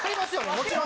もちろん。